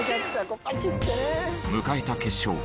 迎えた決勝。